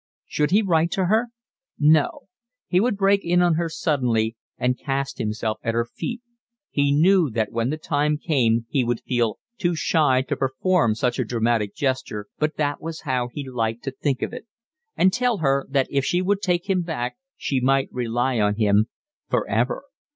Should he write to her? No. He would break in on her suddenly and cast himself at her feet—he knew that when the time came he would feel too shy to perform such a dramatic gesture, but that was how he liked to think of it—and tell her that if she would take him back she might rely on him for ever.